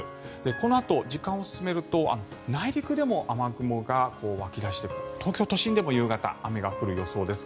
このあと時間を進めると内陸でも雨雲が湧き出して東京都心でも夕方、雨が降る予想です。